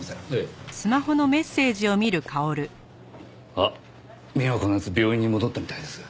あっ美和子の奴病院に戻ったみたいです。